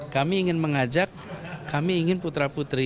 kami ingin mengajak kami ingin putra putri